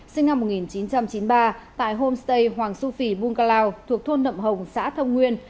sinh năm một nghìn chín trăm chín mươi ba tại homestay hoàng su phì bungalow thuộc thôn nậm hồng xã thông nguyên